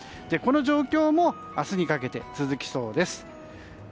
この状況も明日にかけて続きそうです。